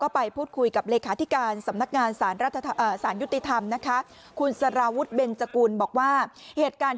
ไปดูบรรยากาศช่วงนี้กันหน่อยค่ะ